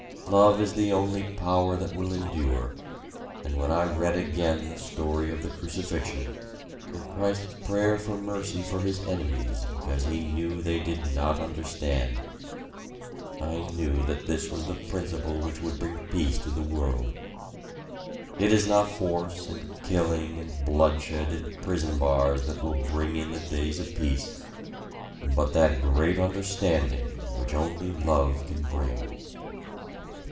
Love is the only power that will endure, and when I read again the story of the Crucifixion, and Christ's prayer for mercy for his enemies because he knew they did not understand, I knew that this was the principle which would bring peace to the world. It is not force and killing and bloodshed and prison bars that will bring in the days of peace, but that Great Understanding which only Love can bring.